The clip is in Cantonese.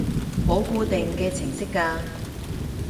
冇固定嘅程式㗎